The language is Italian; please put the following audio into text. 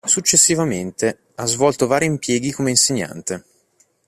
Successivamente ha svolto vari impieghi come insegnante.